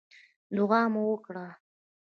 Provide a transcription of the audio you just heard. دعا مو وکړه.